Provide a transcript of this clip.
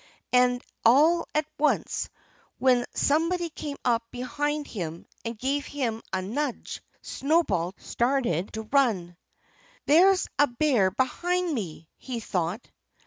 And all at once, when somebody came up behind him and gave him a nudge, Snowball started to run. "There's a bear behind me!" he thought.